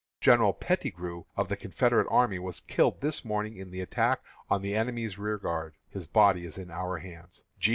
General Pettigrew, of the Confederate army, was killed this morning in the attack on the enemy's rearguard. His body is in our hands.